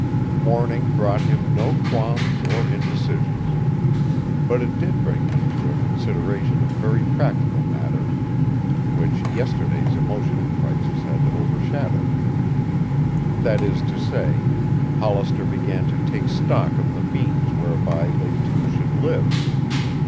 Morning brought him no qualms or indecisions. But it did bring him to a consideration of very practical matters, which yesterday's emotional crisis had overshadowed. That is to say, Hollister began to take stock of the means whereby they two should live.